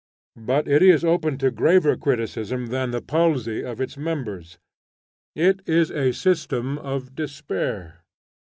But it is open to graver criticism than the palsy of its members: it is a system of despair.